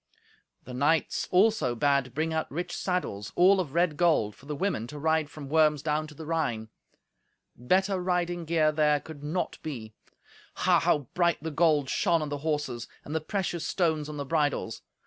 The knights also bade bring out rich saddles, all of red gold, for the women to ride from Worms down to the Rhine. Better riding gear there could not be. Ha! how bright the gold shone on the horses, and the precious stones on the bridles!